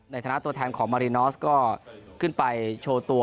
ในฐานะตัวแทนของมารินอสก็ขึ้นไปโชว์ตัว